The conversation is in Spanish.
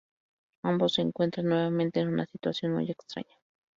Ambos se encuentran nuevamente en una situación muy extraña.